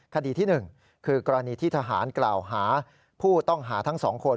คดีที่๑คือกรณีที่ทหารกล่าวหาผู้ต้องหาทั้ง๒คน